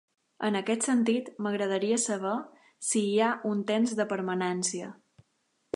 En aquest sentit, m'agradaria saber si hi ha un temps de permanència.